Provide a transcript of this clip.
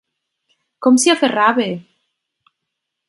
Com s'hi aferrava!